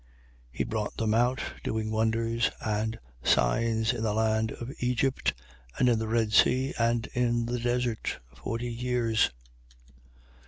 7:36. He brought them out, doing wonders and signs in the land of Egypt and in the Red Sea and in the desert, forty years.